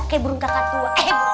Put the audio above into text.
kayak burung kakak tua